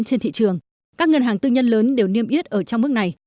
các ngân hàng tư nhân lớn đều niêm yết ở trong mức này